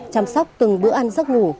chăm sóc từng bữa ăn giấc ngủ